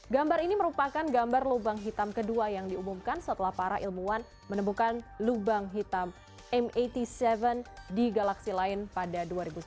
gambar ini merupakan gambar lubang hitam kedua yang diumumkan setelah para ilmuwan menemukan lubang hitam mat tujuh di galaksi lain pada dua ribu sembilan belas